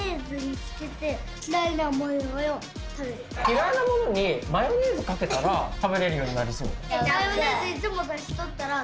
嫌いなものにマヨネーズかけたら食べれるようになりそう？